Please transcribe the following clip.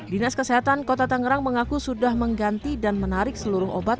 dinas kesehatan kota tangerang mengaku sudah mengganti dan menarik seluruh obat